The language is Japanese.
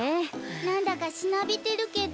なんだかしなびてるけど。